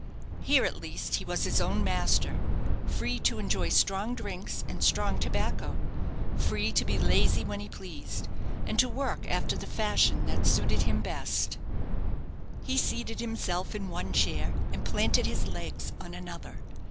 Here, at least, he was his own master: free to enjoy strong drinks and strong tobacco free to be lazy when he pleased, and to work after the fashion that suited him best. He seated himself in one chair, and planted his legs on another.